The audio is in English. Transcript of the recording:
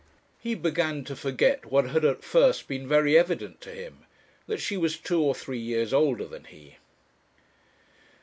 He began to forget what had at first been very evident to him, that she was two or three years older than he.